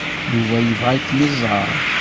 Yuba yebɣa ad kem-iẓer.